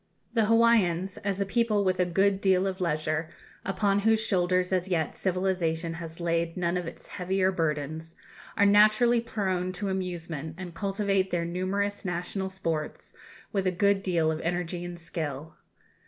The Hawaiians, as a people with a good deal of leisure, upon whose shoulders as yet civilization has laid none of its heavier burdens, are naturally prone to amusement, and cultivate their numerous national sports with a good deal of energy and skill.